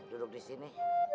duduk di sini